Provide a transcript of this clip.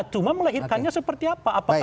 cuma melahirkannya seperti apa